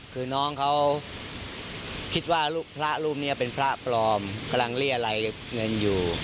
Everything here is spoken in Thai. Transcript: คือน้องเขาคิดว่าพระรูปนี้เป็นพระปลอมกำลังเรียรัยเงินอยู่